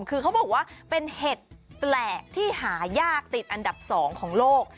คือเขาบอกว่าเป็นเห็ดแปลกที่หายากติดอันดับ๒ของโลก